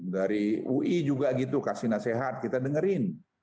dari ui juga gitu kasih nasihat kita dengerin